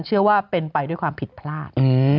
เชื่อว่าเป็นไปด้วยความผิดพลาด